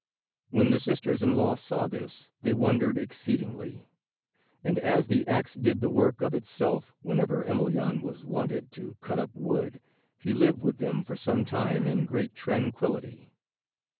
When the sisters in law saw this they wondered exceedingly, and as the axe did the work of itself whenever Emelyan was wanted to cut up wood, he lived with them for some time in great tranquillity.